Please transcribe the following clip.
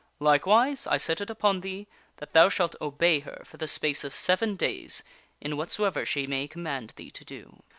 Likewise I set ^ u P on tnee tnat tnou shalt obey her for the space of seven days in whatsoever she may command thee to do."